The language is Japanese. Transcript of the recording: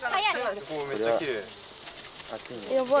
めっちゃきれい！